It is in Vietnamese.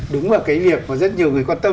đúng là cái việc mà rất nhiều người quan tâm